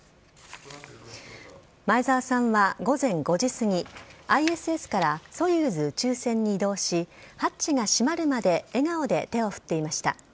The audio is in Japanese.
前澤さんは午前５時過ぎ、ＩＳＳからソユーズ宇宙船に移動し、ハッチが閉まるまで笑顔で手を振っていました。